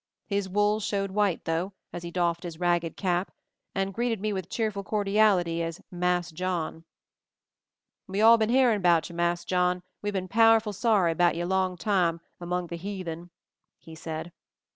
His wool showed white though, as he doffed his ragged cap and greeted me with cheerful cordiality as Mass' John. "We all been hearin' about you, Mass' John. We been powerful sorry 'bout you long time, among de heathen," he said.